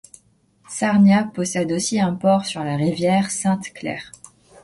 Sarnia possède aussi un port sur la rivière Sainte-Claire.